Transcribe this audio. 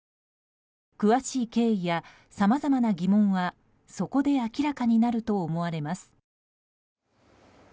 詳しい経緯やさまざまな疑問はそこで明らかになると思われます。